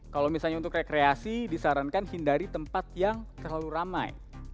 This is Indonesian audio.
kalau misalnya untuk rekreasi disarankan hindari tempat yang terlalu ramai